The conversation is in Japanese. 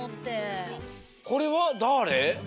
これはだあれ？